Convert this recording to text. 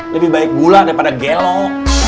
lebih baik gula daripada gelok